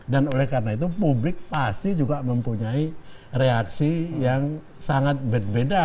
dan oleh karena itu publik pasti juga mempunyai reaksi yang sangat beda